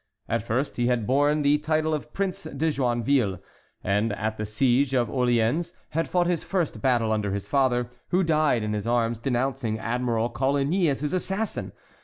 At first he had borne the title of Prince de Joinville, and at the siege of Orléans had fought his first battle under his father, who died in his arms, denouncing Admiral Coligny as his assassin.